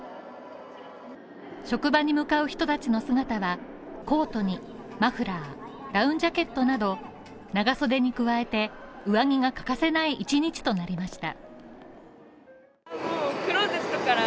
職場に向かう人たちの姿はコートにマフラー、ダウンジャケットなど長袖に加えて、上着が欠かせない１日となりました。